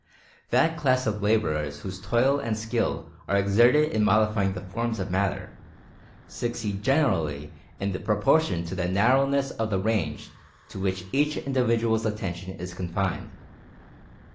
That class of laborers whose toil and skill are exerted in modifying the forms of matter, succeed generally in proportion to the narrowness of the range to which each individual's attention is confined.